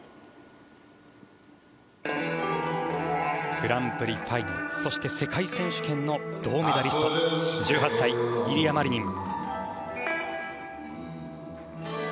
グランプリファイナルそして世界選手権の銅メダリスト１８歳、イリア・マリニン。